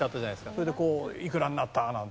それでいくらになったなんて。